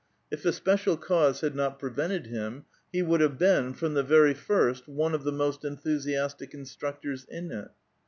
If a special cause had not prevented him, he would have been from the very first one of the most enthusiastic instructors in it.